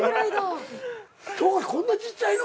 富樫こんなちっちゃいの？